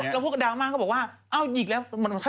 เจ้าคุณหมั่นเขี้ยวอ่ะน้อง